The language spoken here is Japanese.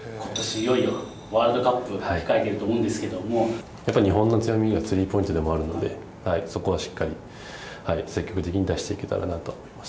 いよいよワールドカッやっぱり日本の強みがスリーポイントでもあるので、そこはしっかり、積極的に出していけたらなと思います。